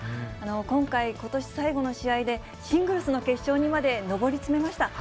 今回、ことし最後の試合で、シングルスの決勝にまで上り詰めました。